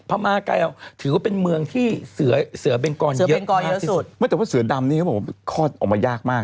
พม่าถือว่าเป็นเมืองที่เสือเป็งกอมเยอะมาก